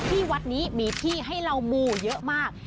ที่วัดนี้มีที่ให้เรามูเยอะมาก